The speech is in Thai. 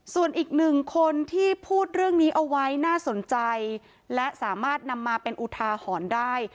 ส่วนอีกหนึ่งคนที่พูดเรื่องนี้เอาไว้น่าสนใจและสามารถนำมาเป็นอุทาหรณ์ได้